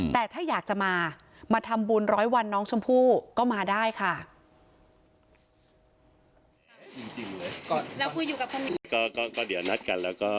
แต่ถ้าอยากจะมามาทำบุญร้อยวันน้องชมพู่ก็มาได้ค่ะ